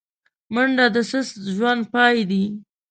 منډه د سست ژوند پای دی